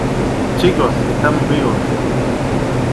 chicos, estamos vivos.